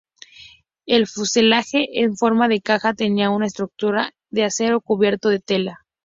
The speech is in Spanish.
El fuselaje en forma de caja tenía una estructura de acero cubierto de tela.